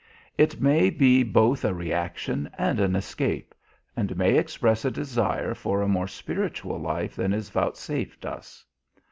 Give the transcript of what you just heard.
It may be both a reaction and an escape, and may express a desire for a more spiritual life than is vouchsafed us.